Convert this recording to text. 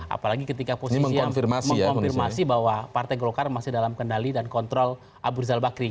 apalagi ketika posisi yang mengkonfirmasi bahwa partai golkar masih dalam kendali dan kontrol abu rizal bakri